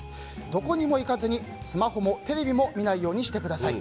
どこにも行かずにスマホもテレビも見ないようにしてください。